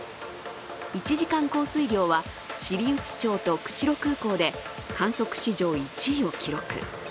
１時間降水量は知内町と釧路空港で観測史上１位を記録。